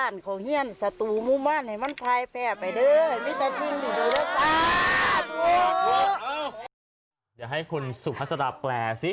เดี๋ยวให้คุณสุภาษาแปลซิ